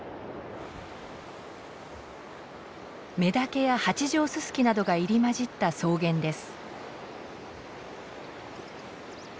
メダケやハチジョウススキなどが入り交じった草原です。